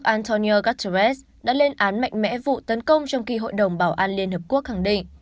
antonio guterres đã lên án mạnh mẽ vụ tấn công trong khi hội đồng bảo an liên hợp quốc khẳng định